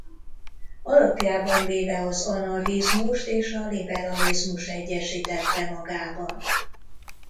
Alapjában véve az anarchizmust és a liberalizmust egyesítette magában.